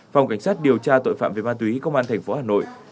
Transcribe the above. phòng cảnh sát điều tra tội phạm về ma túy công an tp hà nội